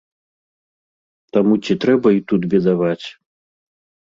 Таму ці трэба і тут бедаваць?